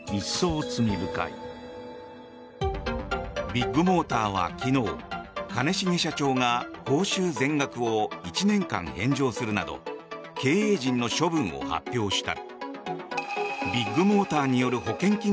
ビッグモーターは昨日兼重社長が報酬全額を１年間返上するなど経営陣の処分を発表した。